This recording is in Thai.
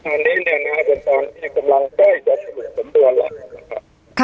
ทนนี้นะคะยังก็จะสรุปสำนวนนะครับ